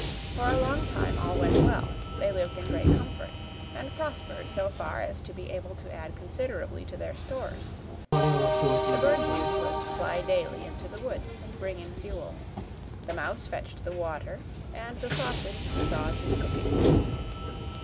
For a long time all went well; they lived in great comfort, and prospered so far as to be able to add considerably to their stores. The bird's duty was to fly daily into the wood and bring in fuel; the mouse fetched the water, and the sausage saw to the cooking.